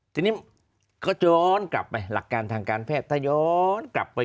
ทีนี้เขาย้อนกลับไปหลักการทางการแพทย์ถ้าย้อนกลับไป